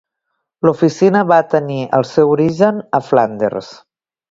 La oficina va tenir el seu origen a Flanders.